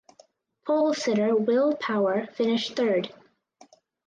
Polesitter Will Power finished third.